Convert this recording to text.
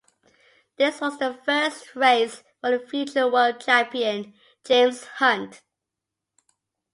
This was the first race for the future world champion James Hunt.